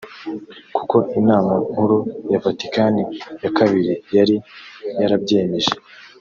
kuko inama nkuru ya Vatikani ya kabiri yari yarabyemeje